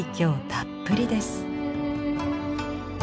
たっぷりです。